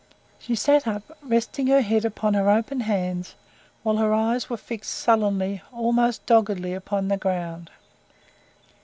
She sat up, resting her head upon her open hands, whilst her eyes were fixed sullenly, almost doggedly, upon the ground.